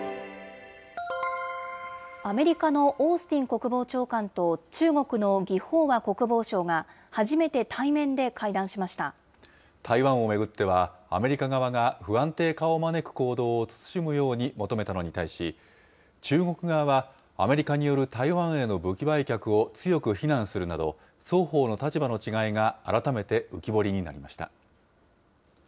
アメリカのオースティン国防長官と中国の魏鳳和国防相が、初台湾を巡っては、アメリカ側が不安定化を招く行動を慎むように求めたのに対し、中国側はアメリカによる台湾への武器売却を強く非難するなど、双方の立場の違いが改めて浮き彫りになりました。